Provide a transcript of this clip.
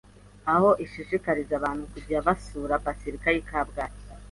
aho ishishikariza abantu kujya basura Bazilika y’i Kabgayi,